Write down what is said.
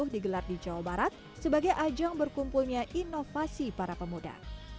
digelar di jawa barat sebagai ajang berkumpulnya inovasi para pemuda